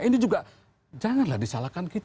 ini juga janganlah disalahkan kita